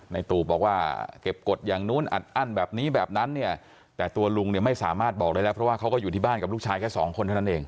ตูบบอกว่าเก็บกฎอย่างนู้นอัดอั้นแบบนี้แบบนั้นเนี่ยแต่ตัวลุงเนี่ยไม่สามารถบอกได้แล้วเพราะว่าเขาก็อยู่ที่บ้านกับลูกชายแค่สองคนเท่านั้นเอง